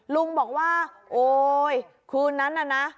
ลุงบอกว่าโอ๊ยคืนนั้นน่ะนะ